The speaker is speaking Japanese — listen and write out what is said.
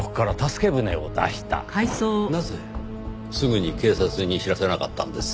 なぜすぐに警察に知らせなかったんです？